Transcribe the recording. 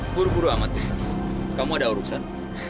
buru buru amat gustaf kamu ada urusan